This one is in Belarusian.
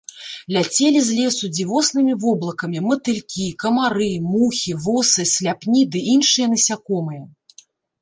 Ляцелі з лесу дзівоснымі воблакамі матылькі, камары, мухі, восы, сляпні ды іншыя насякомыя.